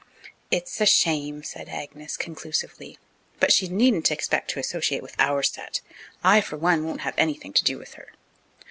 "It's a shame," said Agnes, conclusively. "But she needn't expect to associate with our set. I, for one, won't have anything to do with her."